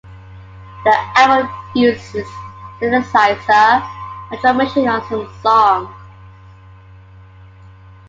The album uses synthesizer and drum machine on some songs.